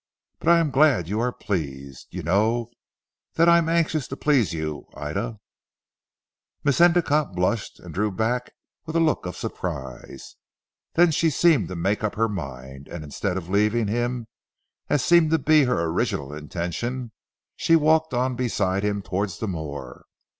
But I am glad you are pleased. You know that I am anxious to please you Ida." Miss Endicotte blushed and drew back with a look of surprise. Then she seemed to make up her mind, and instead of leaving him as seemed to be her original intention, she walked on beside him towards the moor.